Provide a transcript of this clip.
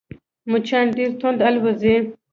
مچان ډېر تند الوزي